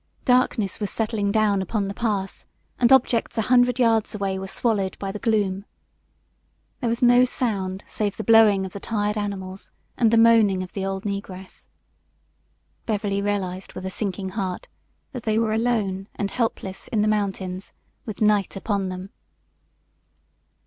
Darkness was settling down upon the pass, and objects a hundred yards away were swallowed by the gloom. There was no sound save the blowing of the tired animals and the moaning of the old negress. Beverly realized with a sinking heart that they were alone and helpless in the mountains with night upon them.